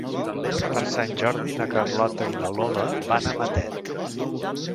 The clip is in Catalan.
Per Sant Jordi na Carlota i na Lola van a Matet.